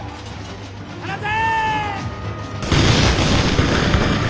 放て！